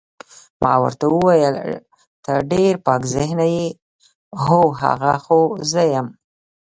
ما ورته وویل ته ډېر پاک ذهنه یې، هو، هغه خو زه یم.